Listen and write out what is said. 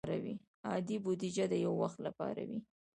عادي بودیجه د یو وخت لپاره وي.